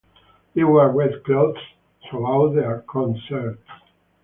They wear red cloths throughout their concerts.